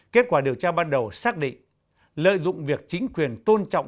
kết quả điều tra ban đầu xác định lợi dụng việc chính quyền tôn trọng